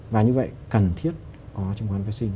và như vậy cần thiết có chứng khoán vệ sinh